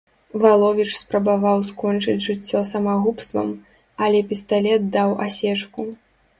Валовіч спрабаваў скончыць жыццё самагубствам, але пісталет даў асечку.